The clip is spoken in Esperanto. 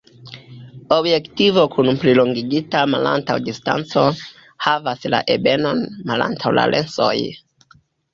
Objektivo kun plilongigita malantaŭa distanco havas la ebenon malantaŭ la lensoj.